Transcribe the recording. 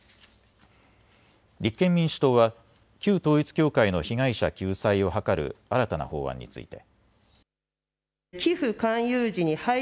立憲民主党は旧統一教会の被害者救済を図る新たな法案について。